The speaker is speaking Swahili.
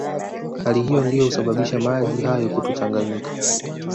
Hali hiyo ndiyo husababisha maji hayo kutochanganyika